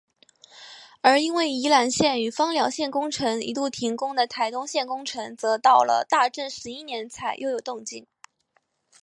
而因为宜兰线与枋寮线工程一度停工的台东线工程则到了大正十一年才又有动静。